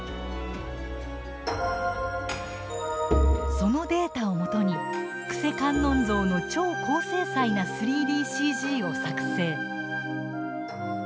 そのデータをもとに救世観音像の超高精細な３ＤＣＧを作成。